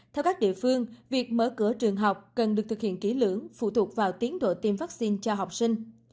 theo các địa phương việc mở cửa trường học cần được thực hiện kỹ lưỡng phụ thuộc vào tiến độ tiêm vaccine cho học sinh